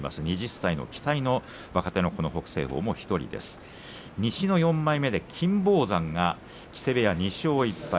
２０歳の期待の若手西の４枚目、金峰山が木瀬部屋、２勝１敗。